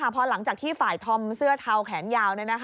พอหลังจากที่ฝ่ายธอมเสื้อเทาแขนยาว